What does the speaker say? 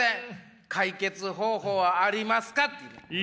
解決方法はありますか？」っていう。